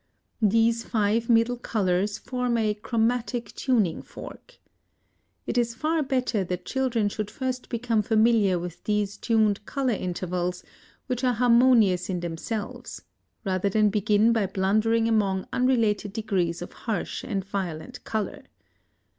These five middle colors form a Chromatic Tuning Fork. (See page 70.) It is far better that children should first become familiar with these tuned color intervals which are harmonious in themselves rather than begin by blundering among unrelated degrees of harsh and violent color.